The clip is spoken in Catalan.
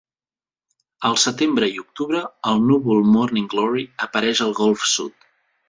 Al setembre i octubre el núvol "Morning Glory" apareix al Golf sud.